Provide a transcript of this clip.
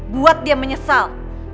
buat dia menyesal